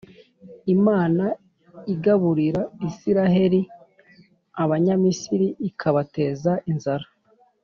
Imana igaburira Israheli, Abanyamisiri ikabateza inzara